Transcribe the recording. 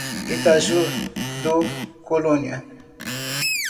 Itaju do Colônia